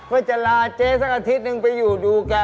ก็จะลาเจ๊สักอาทิตย์หนึ่งไปอยู่ดูแก